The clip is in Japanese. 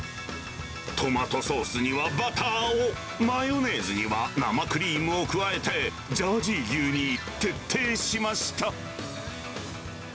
トマトソースにはバターを、マヨネーズには生クリームを加えて、ジャージー牛に徹底しました。